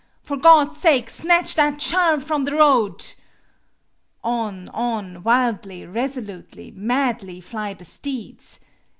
For God's sake, snatch that child from the road!" On, on, wildly, resolutely, madly fly the steeds.